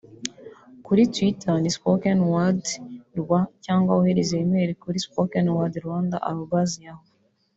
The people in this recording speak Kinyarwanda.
Kuri twitter ni @spokenwordrwa cyangwa wohereze e-mail kuri spokenwordrwanda@yahoo